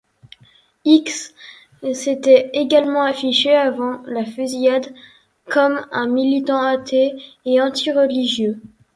Hicks s'était également affiché avant la fusillade comme un militant athée et anti-religieux.